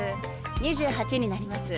２８になります。